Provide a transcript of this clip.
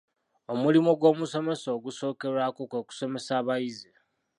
Omulimu gw'omusomesa ogusookerwako kwe kusomesa abayizi.